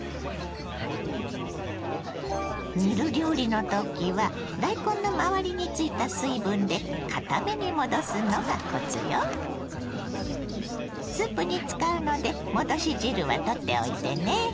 煮る料理の時は大根の周りについた水分でスープに使うので戻し汁は取っておいてね。